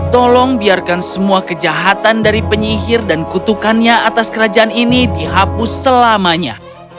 tolong biarkan semua kejahatan dari penyihir dan kutukannya atas kerajaan ini dihapus selamanya